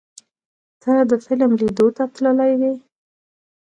ته د فلم لیدو ته تللی وې؟